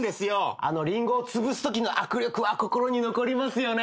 あのリンゴをつぶすときの握力は心に残りますよね。